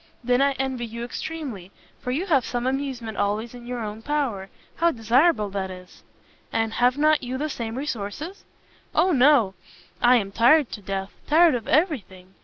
"Then I envy you extremely, for you have some amusement always in your own power. How desirable that is!" "And have not you the same resources?" "O no! I am tired to death! tired of every thing!